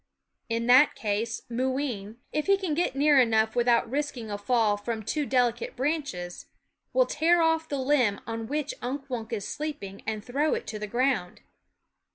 In that case Moo ween, if he can get near enough without risking a fall from too delicate branches, will tear off the limb on which Unk Wunk is sleeping and throw it to the ground.